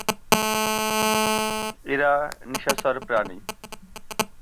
এরা নিশাচর প্রাণী।